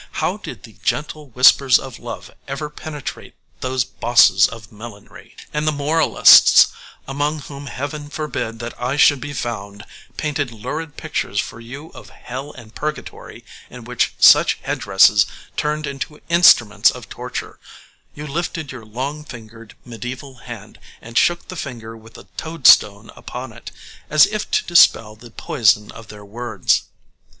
How did the gentle whispers of love ever penetrate those bosses of millinery? [Illustration: {Two types of head dress for women}] And the moralists, among whom Heaven forbid that I should be found, painted lurid pictures for you of hell and purgatory, in which such head dresses turned into instruments of torture; you lifted your long fingered, medieval hand and shook the finger with the toad stone upon it, as if to dispel the poison of their words.